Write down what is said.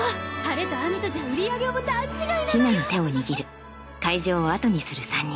晴れと雨とじゃ売り上げも段違いなのよ！